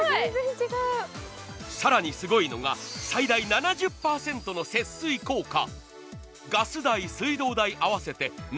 更にすごいのが最大７０％の節水効果。